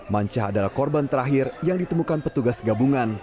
mancah adalah korban terakhir yang ditemukan petugas gabungan